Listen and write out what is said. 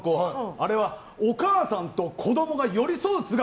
あれはお母さんと子供が寄り添う姿。